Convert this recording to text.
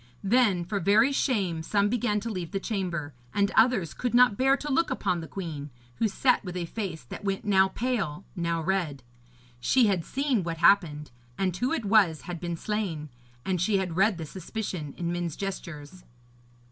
Then for very shame some began to leave the chamber; and others could not bear to look upon the queen, who sat with a face that went now pale, now red. She had seen what happened, and who it was had been slain, and she had read the suspicion in men's gestures.